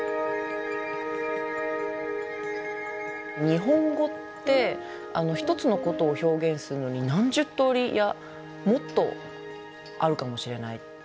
日本語って一つのことを表現するのに何十とおりいやもっとあるかもしれない。